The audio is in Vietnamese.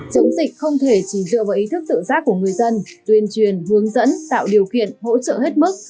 chống dịch không thể chỉ dựa vào ý thức tự giác của người dân tuyên truyền hướng dẫn tạo điều kiện hỗ trợ hết mức